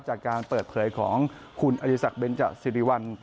จากการเปิดเผยของคุณอดีศักดิเบนจสิริวัล